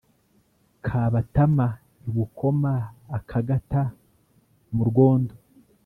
Kabatama i Bukoma-Akagata mu rwondo.